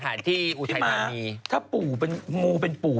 ปลาหมึกแท้เต่าทองอร่อยทั้งชนิดเส้นบดเต็มตัว